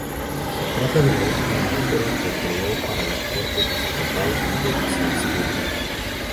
Se trata de la última ópera que creó para la corte episcopal de Salzburgo.